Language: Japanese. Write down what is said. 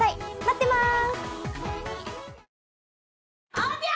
待ってます。